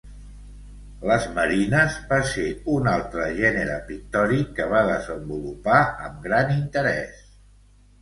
Les marines van ser un altre gènere pictòric que va desenvolupar amb gran interès.